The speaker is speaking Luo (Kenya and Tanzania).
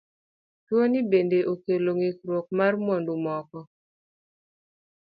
Tuoni bende okelo ng'ikruok mar mwandu moko.